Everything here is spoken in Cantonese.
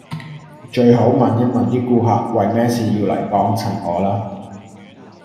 最好問一問啲顧客為咩事要嚟幫襯我啦